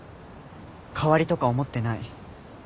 代わりとか思ってない。